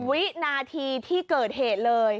วินาทีที่เกิดเหตุเลย